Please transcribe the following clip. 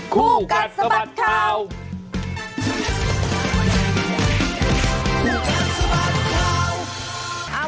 คู่กัดสะบัดข่าว